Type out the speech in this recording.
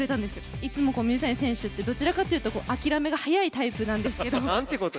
いつも水谷選手って、どちらかというと諦めが早いタイプなんですけど。なんていうことを。